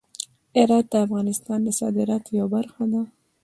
هرات د افغانستان د صادراتو یوه برخه ده.